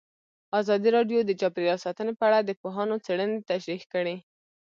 ازادي راډیو د چاپیریال ساتنه په اړه د پوهانو څېړنې تشریح کړې.